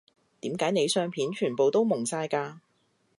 點解你相片全部都矇晒㗎